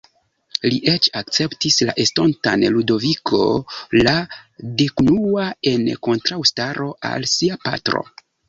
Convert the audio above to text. Li eĉ akceptis la estontan Ludoviko la Dekunua en kontraŭstaro al sia patro.